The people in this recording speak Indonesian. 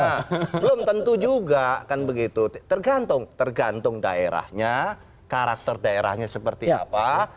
nah belum tentu juga kan begitu tergantung tergantung daerahnya karakter daerahnya seperti apa